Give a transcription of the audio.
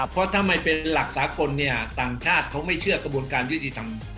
เพราะถ้าไม่เป็นหลักสากลเนี่ยต่างชาติเขาไม่เชื่อกระบวนการยุติธรรม